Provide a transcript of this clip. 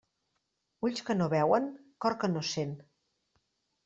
Ulls que no veuen, cor que no sent.